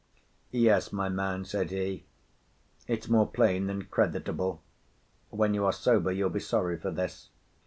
"Yes, my man," said he. "It's more plain than creditable. When you are sober, you'll be sorry for this."